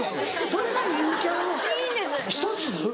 それが陰キャの１つ？